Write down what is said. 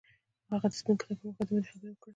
هغه د سپین کتاب پر مهال د مینې خبرې وکړې.